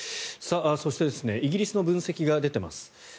そしてイギリスの分析が出ています。